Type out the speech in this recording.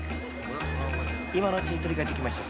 ［今のうちに取り換えときましょう］